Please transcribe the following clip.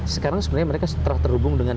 sekarang sebenarnya mereka setelah terhubung dengan